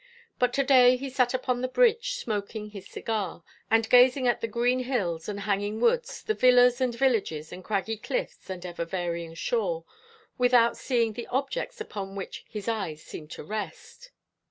But to day he sat upon the bridge smoking his cigar, and gazing at the green hills and hanging woods, the villas and villages, and craggy cliffs and ever varying shore, without seeing the objects upon which his eyes seemed to rest.